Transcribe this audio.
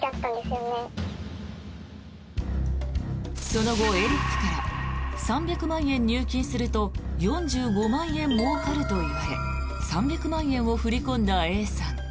その後、エリックから３００万円入金すると４５万円もうかると言われ３００万円を振り込んだＡさん。